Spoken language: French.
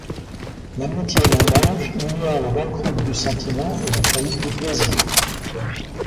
L’amitié, mon ange, ignore les banqueroutes du sentiment et les faillites du plaisir.